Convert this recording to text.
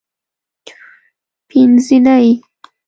پینځنۍ